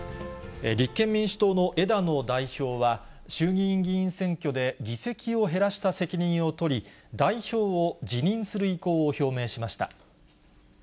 立憲民主党の枝野代表は、衆議院議員選挙で議席を減らした責任を取り、代表を辞任する意向を表明しました。